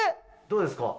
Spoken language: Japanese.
どうですか？